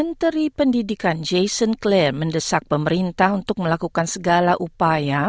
menteri pendidikan jason claim mendesak pemerintah untuk melakukan segala upaya